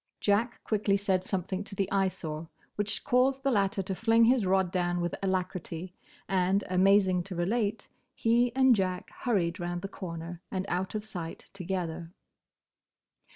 Jack quickly said something to the Eyesore which caused the latter to fling his rod down with alacrity, and, amazing to relate, he and Jack hurried round the corner and out of sight together.